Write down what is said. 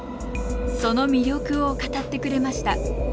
その魅力を語ってくれました